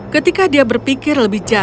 ketika dia berpikir